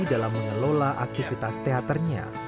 dalam mengelola aktivitas teaternya